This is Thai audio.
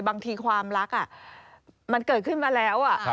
บางทีความรักมันเกิดขึ้นมาแล้ว